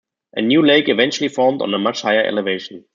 A new lake eventually formed on a much higher elevation.